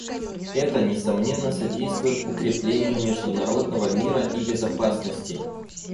Это, несомненно, содействует укреплению международного мира и безопасности.